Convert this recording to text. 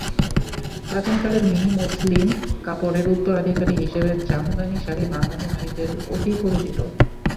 প্রাচীনকালের মিহি মসলিন কাপড়ের উত্তরাধিকারী হিসেবে জামদানি শাড়ি বাঙ্গালী নারীদের অতি পরিচিত।